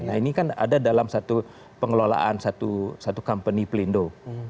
nah ini kan ada dalam satu pengelolaan satu company pelindo